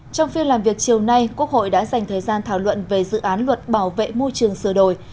trong phiên làm việc chiều nay quốc hội đã dành thời gian thảo luận về dự án luật bảo vệ môi trường sửa đổi